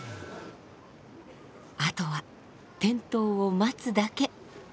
あとは点灯を待つだけ。